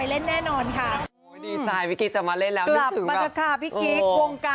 เราอยากจะแบบเขาเรียกว่าไง